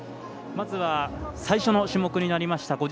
まずは最初の種目になりました